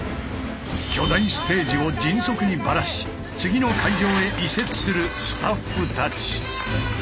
巨大ステージを迅速にバラし次の会場へ移設するスタッフたち。